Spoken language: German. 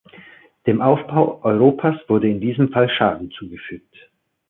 Dem Aufbau Europas wurde in diesem Fall Schaden zugefügt.